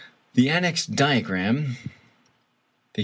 The annexed diagram (Fig.